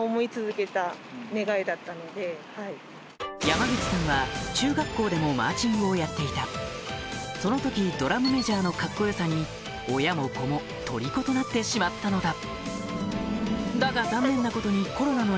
山口さんは中学校でもマーチングをやっていたその時ドラムメジャーのカッコ良さに親も子もとりことなってしまったのだだが